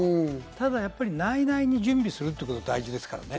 ただ内々に準備するということは大事ですからね。